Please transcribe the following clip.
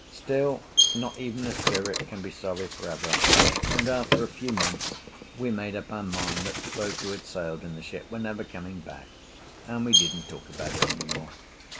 Still, not even a spirit can be sorry for ever, and after a few months we made up our mind that the folk who had sailed in the ship were never coming back, and we didn't talk about it any more.